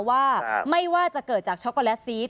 ว่าไม่ว่าจะเกิดจากช็อกโกแลตซีส